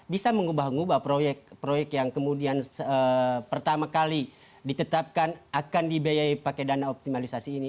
bisa mengubah ubah proyek proyek yang kemudian pertama kali ditetapkan akan dibiayai pakai dana optimalisasi ini